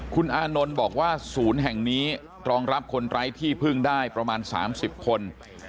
คุณอานนท์บอกว่าศูนย์แห่งนี้รองรับคนไร้ที่พึ่งได้ประมาณ๓๐คน